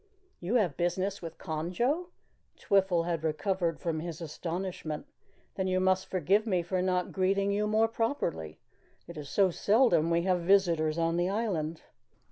"You have business with Conjo?" Twiffle had recovered from his astonishment. "Then you must forgive me for not greeting you more properly. It is so seldom that we have visitors on the island."